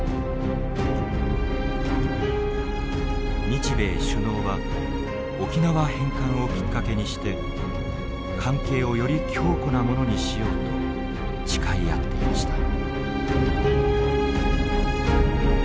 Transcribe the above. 日米首脳は沖縄返還をきっかけにして関係をより強固なものにしようと誓い合っていました。